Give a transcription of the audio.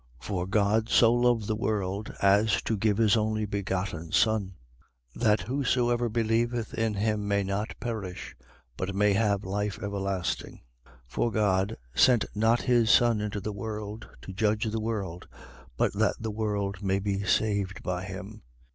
3:16. For God so loved the world, as to give his only begotten Son: that whosoever believeth in him may not perish, but may have life everlasting. 3:17. For God sent not his Son into the world, to judge the world: but that the world may be saved by him.